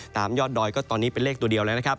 ตามยอดดอยก็ตอนนี้เป็นเลขตัวเดียวแล้วนะครับ